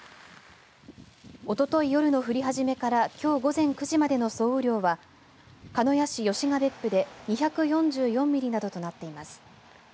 おととい夜の降り始めからきょう午前９時までの総雨量は鹿屋市吉ケ別府で２４４ミリなどとなっています。